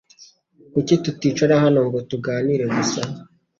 Kuki tuticara hano ngo tuganire gusa